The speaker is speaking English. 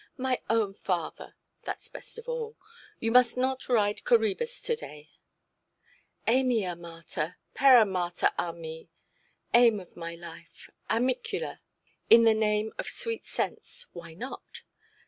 —my own father (thatʼs best of all), you must not ride Coræbus to–day". "Amy amata, peramata a me, aim of my life, amicula, in the name of sweet sense, why not"?